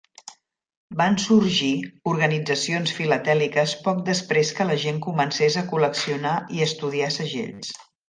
Van sorgir organitzacions filatèliques poc després que la gent comencés a col·leccionar i estudiar segells.